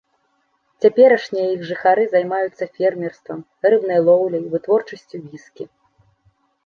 Цяперашнія іх жыхары займаюцца фермерствам, рыбнай лоўляй, вытворчасцю віскі.